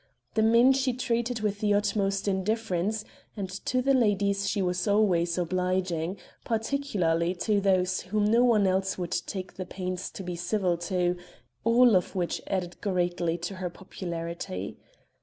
The men she treated with the utmost indifference and to the ladies she was always obliging, particularly to those whom no one else would take the pains to be civil to, all of which greatly added to her popularity.